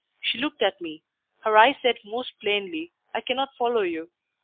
She looked at me; her eye said most plainly, "I cannot follow you."